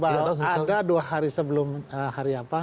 nggak tahu ada dua hari sebelum hari apa